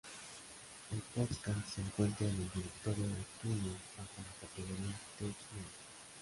El podcast se encuentra en el directorio de iTunes bajo la categoría "Tech News".